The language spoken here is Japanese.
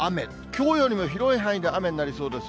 きょうよりも広い範囲で雨になりそうです。